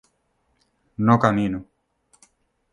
no camino